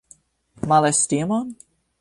Malestimon?